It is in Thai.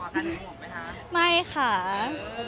มันเป็นปัญหาจัดการอะไรครับ